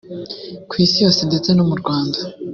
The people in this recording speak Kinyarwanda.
Ku isi yose ndetse no mu Rwanda